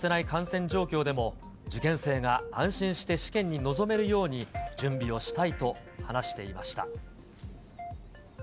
感染状況でも、受験生が安心して試験に臨めるように準備をしたいと話していました。